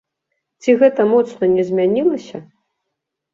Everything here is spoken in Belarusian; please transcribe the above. Ці гэта моцна не змянілася?